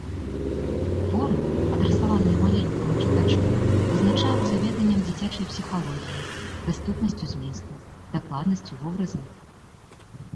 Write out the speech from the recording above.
Творы, адрасаваныя маленькаму чытачу, вызначаюцца веданнем дзіцячай псіхалогіі, даступнасцю зместу, дакладнасцю вобразаў.